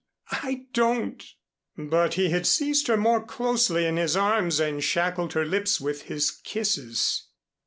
I don't " But he had seized her more closely in his arms and shackled her lips with his kisses.